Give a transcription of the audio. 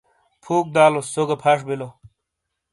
پھُوک دالوس سو گہ پھݜ بلو۔